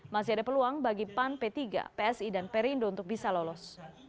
masih ada peluang bagi pan p tiga psi dan perindo untuk bisa lolos